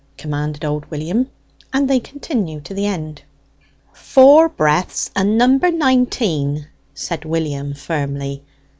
commanded old William; and they continued to the end. "Four breaths, and number nineteen!" said William firmly.